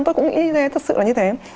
tôi cũng nghĩ thế thật sự là như thế